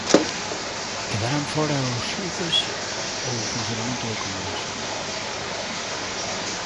Quedarán fóra os xuíces ou o funcionamento do Congreso?